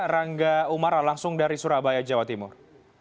rangga umara langsung dari surabaya jawa timur